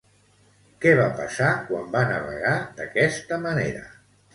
Què va passar quan va navegar d'aquesta manera?